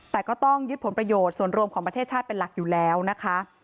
แต่ก็ต้องยึดผลประโยชน์ส่วนรวมของประเทศชาติเป็นหลักอยู่แล้วนะคะ